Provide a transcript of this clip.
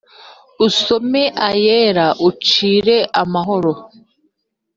Usome ayera ucire amahoro